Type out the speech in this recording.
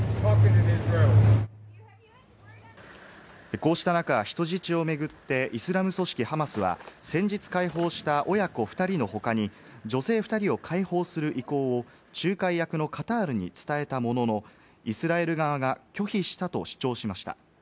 こうした中、人質を巡って、イスラム組織ハマスは先日開放した親子２人の他に女性２人を解放する意向を仲介役のカタールに伝えたものの、イスラエル側が拒否したと主張しました。